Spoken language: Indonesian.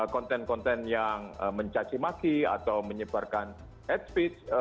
konten konten yang mencacimaki atau menyebarkan headspace